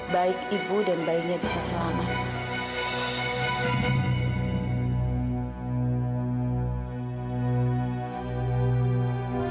baik ibu dan bayinya bisa selamat